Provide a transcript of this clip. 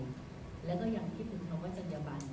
ใจและก็อย่างคิดถึงคำว่าจันยบัล